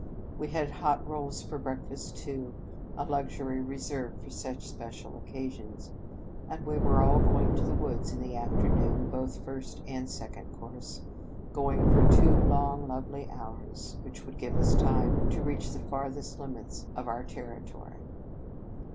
We had hot rolls for breakfast, too, a luxury re served for such special occasions; and we were all going to the woods in the afternoon, both First and Second Cours, going for two long, lovely hours, which would give us time to reach the farthest limits of our terri 104 In Retreat tory.